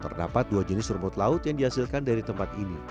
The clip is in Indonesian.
terdapat dua jenis rumput laut yang dihasilkan dari tempat ini